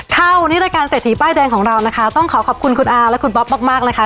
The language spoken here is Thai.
ข้าวนี้รายการเสถียบ้านแดงของเรานะคะต้องขอขอบคุณคุณอาและคุณบ๊อบมากมากนะคะ